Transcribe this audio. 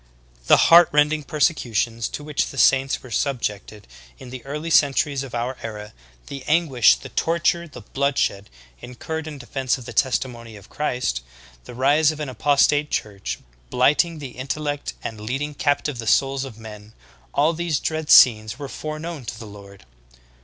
The heart rending persecutions to which the saints were subjected in the early centuries of our era, the anguish, the torture, the bloodshed, incurred in de fense of the testimony of Christ, the rise of an apostate 158 THE GREAT APOSTASY. church, blighting the intellect and leading captive the souls of men — all these dread scenes were foreknown to the Lord.